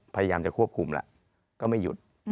พยายามจะควบคุมแล้วก็ไม่หยุด